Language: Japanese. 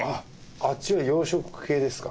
あっちは洋食系ですか？